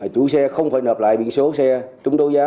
chủ xe không phải nợ lại biển số xe trúng đấu giá